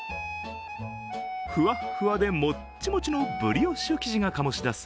ふわっふわでもっちもちのブリオッシュ生地が醸しだす